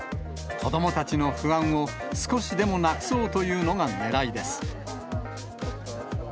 子どもたちの不安を少しでもなくそうというのがねらいです。